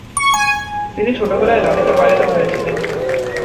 তিনি ছোটবেলায় লালিত পালিত হয়েছিলেন।